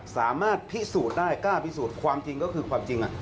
สามารถพิสูจน์ได้กล้าพิสูจน์ความจริงก็คือความจริง